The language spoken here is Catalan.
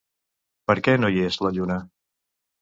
Per què no hi és, la lluna?